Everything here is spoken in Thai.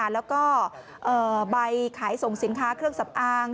แล้วก็ใบขายส่งสินค้าเครื่องสำอาง